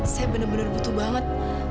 saya benar benar butuh banget